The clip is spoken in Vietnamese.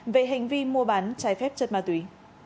về hành vi mua bán trái phép chất ma túy